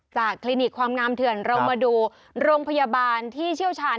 คลินิกความงามเถื่อนเรามาดูโรงพยาบาลที่เชี่ยวชาญ